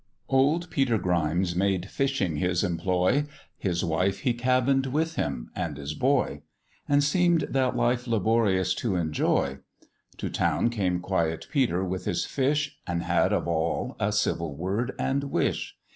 OLD Peter Grimes made fishing his employ, His wife he cabin'd with him and his boy, And seem'd that life laborious to enjoy: To town came quiet Peter with his fish, And had of all a civil word and wish.